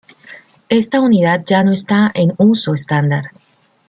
Esta unidad ya no está en uso estándar.